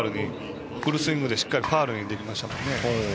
フルスイングでしっかりファウルにできましたね。